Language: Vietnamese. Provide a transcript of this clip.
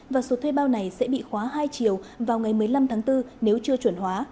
và số thuê bao này sẽ bị khóa hai triệu vào ngày một mươi năm tháng bốn nếu chưa chuẩn hóa